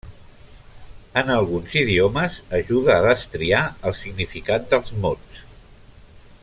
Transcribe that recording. En alguns idiomes ajuda a destriar el significat dels mots.